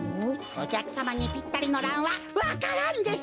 おきゃくさまにぴったりのランはわか蘭です！